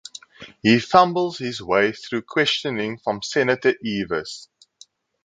He fumbles his way through questioning from Senator Eavis.